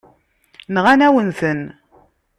Nɣan-awen-ten.